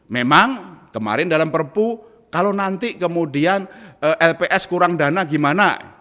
memang kemarin dalam perpu kalau nanti kemudian lps kurang dana gimana